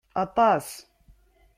Aṭas!